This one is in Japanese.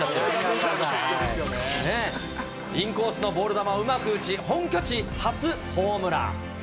インコースのボール球をうまく打ち、本拠地初ホームラン。